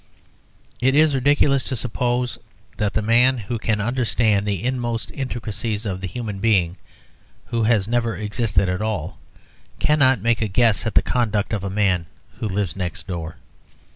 It is ridiculous to suppose that the man who can understand the inmost intricacies of a human being who has never existed at all cannot make a guess at the conduct of man who lives next door.